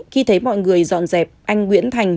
khi thấy mọi người dọn dẹp anh nguyễn thành